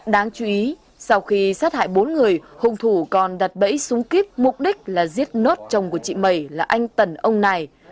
đáng chú ý sau khi sát hại bốn người hùng thủ còn đặt bẫy súng kíp mục đích là giết nốt chồng của chị mẩy là anh tần ông này